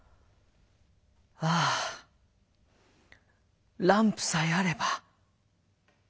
「ああランプさえあれば」。